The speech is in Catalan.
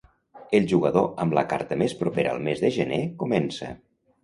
El jugador amb la carta més propera al mes de gener, comença.